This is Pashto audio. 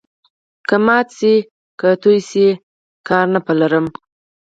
که مات سي که توی سي، کار نه په لرم.